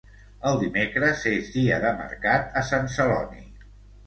El dimecres és dia de mercat a Sant Celoni